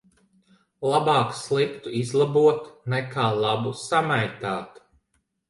Labāk sliktu izlabot nekā labu samaitāt.